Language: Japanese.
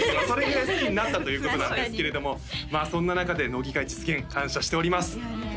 それぐらい好きになったということなんですけれどもまあそんな中で乃木回実現感謝しております